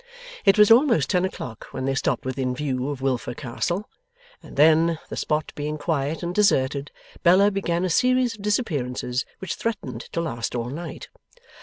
It was almost ten o'clock when they stopped within view of Wilfer Castle; and then, the spot being quiet and deserted, Bella began a series of disappearances which threatened to last all night.